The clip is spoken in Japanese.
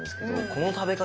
この食べ方